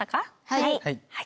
はい。